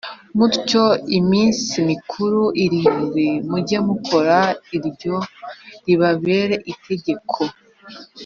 mutyo iminsi mikuru irindwi mujye mukora Iryo ribabere itegeko